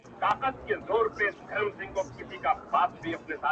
له ما جوړي بنګلې ښکلي ښارونه!.